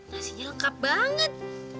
nasinya lengkap banget